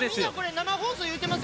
生放送してます。